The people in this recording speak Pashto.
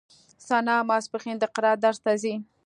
ثنا ماسپښين د قرائت درس ته ځي.